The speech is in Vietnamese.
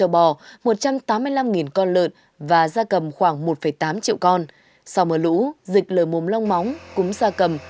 bỏ một trăm tám mươi năm con lợn và gia cầm khoảng một tám triệu con sau mở lũ dịch lợi mồm long móng cũng gia cầm